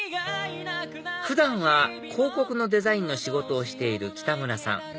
普段は広告のデザインの仕事をしている北村さん